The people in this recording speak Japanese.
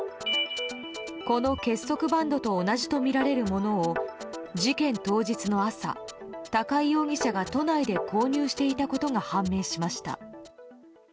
この結束バンドと同じとみられるものを事件当日の朝、高井容疑者が都内で購入していたことが判明しました。